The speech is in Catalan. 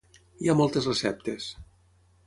Hi ha moltes receptes.